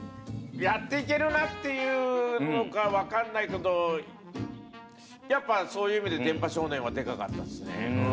やって行けるなっていうのか分かんないけどやっぱそういう意味で『電波少年』はデカかったっすね。